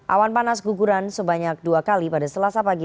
awan panas guguran sebanyak dua kali pada selasa pagi